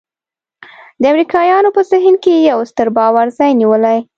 د امریکایانو په ذهن کې یو ستر باور ځای نیولی.